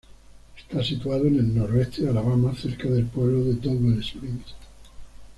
Está situado en el noroeste de Alabama, cerca del pueblo de Double Springs.